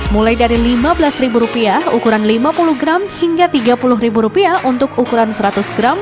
mulai dari lima belas ukuran lima puluh gram hingga tiga puluh untuk ukuran seratus gram